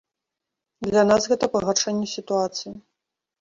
Для нас гэта пагаршэнне сітуацыі.